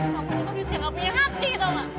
kamu juga harusnya gak punya hati gitu ma